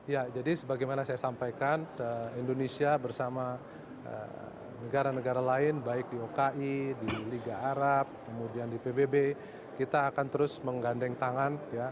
ya jadi sebagaimana saya sampaikan indonesia bersama negara negara lain baik di oki di liga arab kemudian di pbb kita akan terus menggandeng tangan